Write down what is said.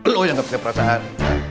lo yang nggak pakai perasaan